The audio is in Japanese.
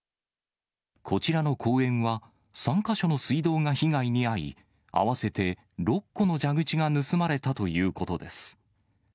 こちらの公園は、３か所の水道が被害に遭い、合わせて６個の蛇口が盗まれたということです。